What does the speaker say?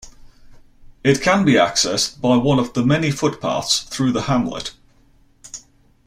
It can be accessed by one of the many footpaths through the hamlet.